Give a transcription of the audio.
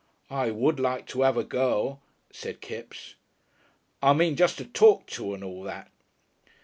"I would like to 'ave a girl," said Kipps. "I mean just to talk to and all that...."